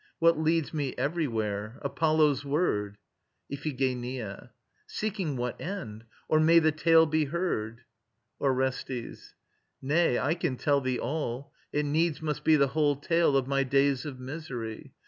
What leads me everywhere Apollo's word. IPHIGENIA. Seeking what end? Or may the tale be heard? ORESTES. Nay, I can tell thee all. It needs must be The whole tale of my days of misery.